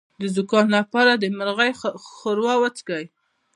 د زکام لپاره د مرغۍ ښوروا وڅښئ